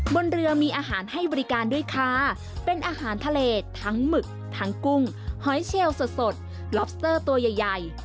บนเรือมีอาหารให้บริการด้วยค่ะเป็นอาหารทะเลทั้งหมึกทั้งกุ้งหอยเชลสดลอบสเตอร์ตัวใหญ่ใหญ่